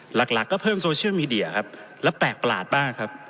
หลักหลักก็เพิ่มโซเชียลมีเดียครับแล้วแปลกประหลาดมากครับ